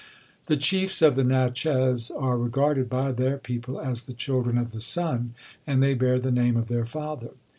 The chiefs of the Natchez are regarded by their people as the children of the sun, and they bear the name of their father.